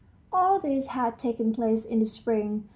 All this had taken place in the spring.